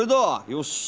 よし。